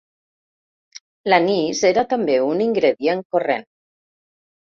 L'anís era també un ingredient corrent.